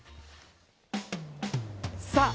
さあ